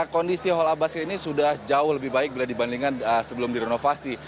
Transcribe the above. kondisi hall abasket ini sudah jauh lebih baik bila dibandingkan sebelum direnovasi